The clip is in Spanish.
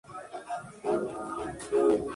Fue jarl de las Orcadas hasta su muerte.